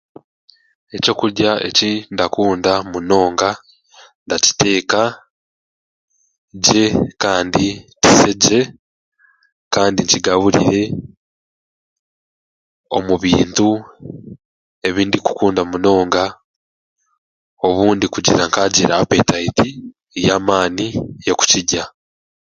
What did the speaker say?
Ekyokurya eki ndakunda munonga, ndakiteeka gye kandi kise gye kandi nkigaburire omu bintu ebi ndikukunda munonga, obundi kugira nkaagira apetaiti y'amaani y'okukirya.